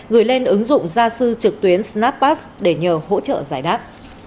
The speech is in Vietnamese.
gửi lên ứng dụng gia sư trực tuyến snappass để nhờ hỗ trợ giải đáp